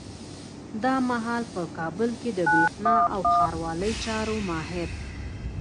دا مهال په کابل کي د برېښنا او ښاروالۍ چارو ماهر